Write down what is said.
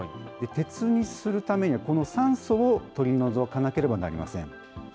鉄にするためには、この酸素を取り除かなければなりません。